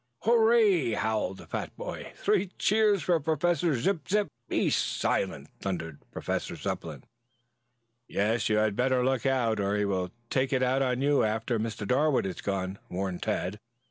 "Hooray!" howled the fat boy. "Three cheers for Professor Zip zip!" "Be silent!" thundered Professor Zepplin. "Yes, you had better look out or he will take it out of you after Mr. Darwood has gone," warned Tad.